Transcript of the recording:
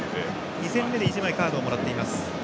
２戦目で１枚カードをもらっています。